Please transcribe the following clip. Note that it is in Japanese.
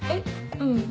うん。